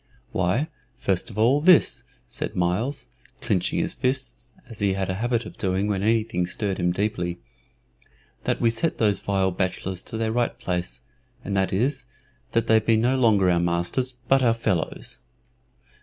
"Why, first of all, this," said Myles, clinching his fists, as he had a habit of doing when anything stirred him deeply, "that we set those vile bachelors to their right place; and that is, that they be no longer our masters, but our fellows."